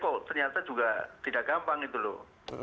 kalau di ure kok ternyata juga tidak gampang gitu loh